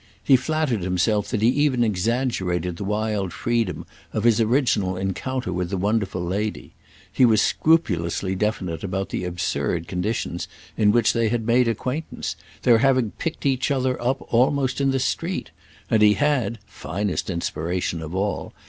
He flattered himself that he even exaggerated the wild freedom of his original encounter with the wonderful lady; he was scrupulously definite about the absurd conditions in which they had made acquaintance—their having picked each other up almost in the street; and he had (finest inspiration of all!)